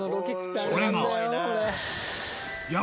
それが。